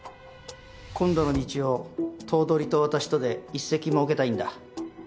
今度の日曜頭取と私とで一席設けたいんだ。